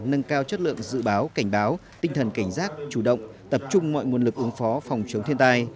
nâng cao chất lượng dự báo cảnh báo tinh thần cảnh giác chủ động tập trung mọi nguồn lực ứng phó phòng chống thiên tai